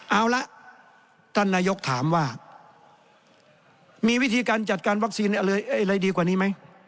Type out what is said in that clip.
เอาละท่านนายกถามว่ามีวิธีการจัดการวัคซีนอะไรดีกว่านี้ไหม